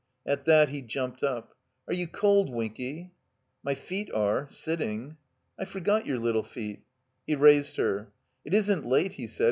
At that he jumped up. "Are you cold, \^^nky?" "My feet are, sitting." "I forgot your little feet." He raised her. "It isn't late," he said.